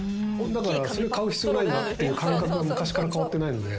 だからそれ買う必要ないなっていう感覚は昔から変わってないので。